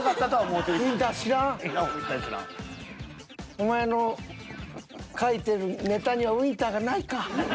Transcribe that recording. お前の書いてるネタにはウィンターがないか。